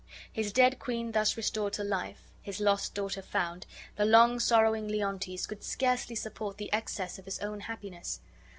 His dead queen thus restored to life, his lost daughter found, the long sorrowing Leontes could scarcely support the excess of his own happiness.